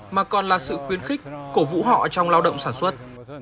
mà còn là sự quyến khích cổ vũ họ trong lao động sản xuất